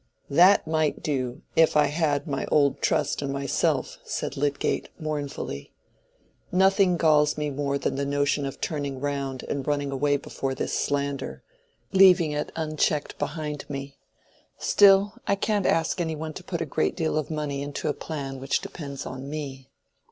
"That might do if I had my old trust in myself," said Lydgate, mournfully. "Nothing galls me more than the notion of turning round and running away before this slander, leaving it unchecked behind me. Still, I can't ask any one to put a great deal of money into a plan which depends on me."